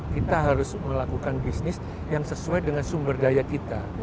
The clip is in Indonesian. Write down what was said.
kita harus melakukan bisnis yang sesuai dengan sumber daya kita